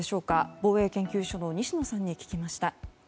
防衛研究所の西野さんに聞きました。